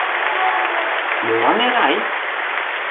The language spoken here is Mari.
Молан Эрай?